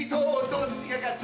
どっちが勝つ？